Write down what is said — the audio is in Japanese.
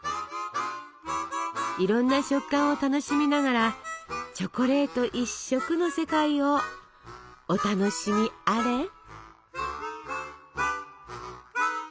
いろんな食感を楽しみながらチョコレート一色の世界をお楽しみあれ。